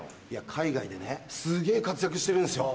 海外ですげぇ活躍してるんですよ。